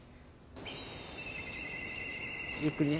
ゆっくりね。